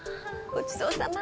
ごちそうさま。